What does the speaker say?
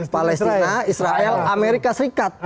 palestina israel amerika serikat